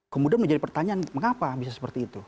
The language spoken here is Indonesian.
kemudian menjadi pertanyaan mengapa bisa seperti itu